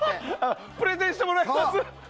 プレゼンしてもらいます？